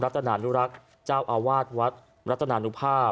และตอนหน้ารุรักเจ้าอาวาทวัดประตานานุภาพ